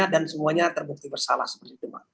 dan semuanya terbukti bersalah seperti itu